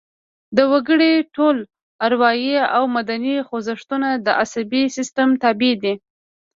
د وګړي ټول اروايي او بدني خوځښتونه د عصبي سیستم تابع دي